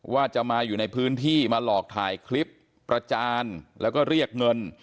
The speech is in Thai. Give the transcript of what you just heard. ว่าจะมาอยู่ในพื้นที่มาหลอกถ่ายคลิปประจานแล้วก็เรียกเงิน